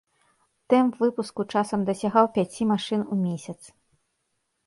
Тэмп выпуску часам дасягаў пяці машын у месяц.